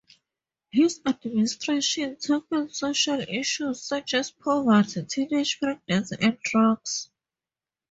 His administration tackled social issues such as poverty, teenage pregnancy and drugs.